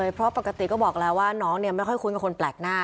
เพราะปกติก็บอกแล้วว่าน้องไม่ค่อยคุ้นกับคนแปลกหน้า